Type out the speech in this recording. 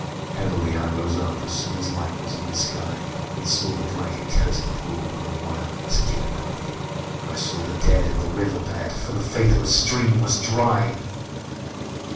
"Heavily I rose up, as soon As light was in the sky, And sought the black accursèd pool With a wild misgiving eye: And I saw the Dead in the river bed, For the faithless stream was dry.